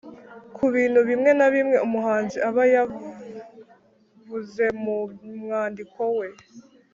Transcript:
ku bintu bimwe na bimwe umuhanzi aba yavuze mu mwandiko we